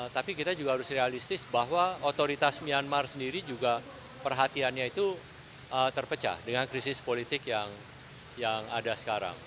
tapi kita juga harus realistis bahwa otoritas myanmar sendiri juga perhatiannya itu terpecah dengan krisis politik yang ada sekarang